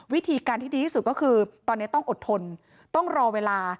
วิธีการที่ดีที่สุดก็คือตอนนี้ต้องอดทนต้องรอเวลา